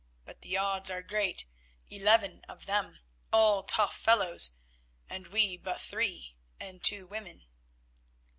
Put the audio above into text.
But the odds are great, eleven of them, all tough fellows, and we but three and two women."